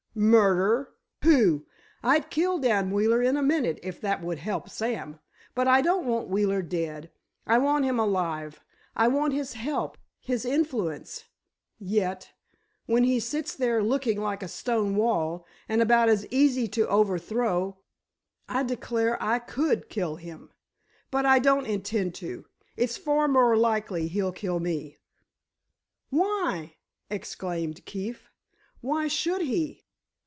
"Murder! Pooh, I'd kill Dan Wheeler in a minute, if that would help Sam! But I don't want Wheeler dead—I want him alive—I want his help—his influence—yet, when he sits there looking like a stone wall, and about as easy to overthrow, I declare I could kill him! But I don't intend to. It's far more likely he'd kill me!" "Why?" exclaimed Keefe. "Why should he?